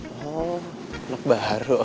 oh anak baru